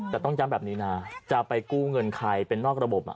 แต่ต้องย้ำแบบนี้นะจะไปกู้เงินใครเป็นนอกระบบ